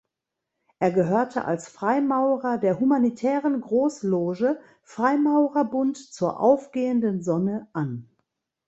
Er gehörte als Freimaurer der humanitären Großloge „Freimaurerbund zur aufgehenden Sonne“ an.